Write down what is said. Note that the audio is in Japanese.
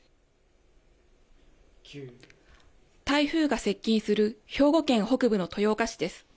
台風が接近する兵庫県北部の豊岡市です。